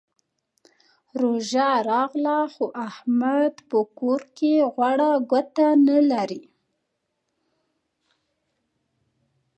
روژه راغله؛ خو احمد په کور کې غوړه ګوته نه لري.